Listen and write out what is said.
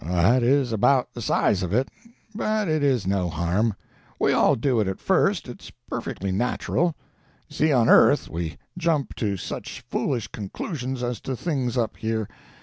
"That is about the size of it. But it is no harm. We all do it at first. It's perfectly natural. You see, on earth we jump to such foolish conclusions as to things up here.